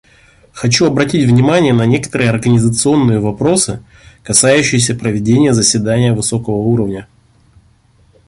Хочу обратить внимание на некоторые организационные вопросы, касающиеся проведения заседания высокого уровня.